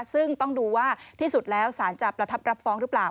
ซึ่งต้องดูว่าที่สุดแล้วสารจะประทับรับฟ้องหรือเปล่า